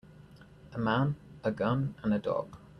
A man, a gun, and a dog.